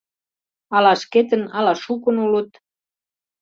Ала шкетын, ала шукын улыт?